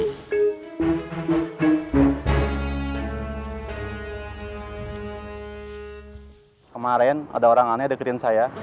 kemaren ada orang aneh dekirin saya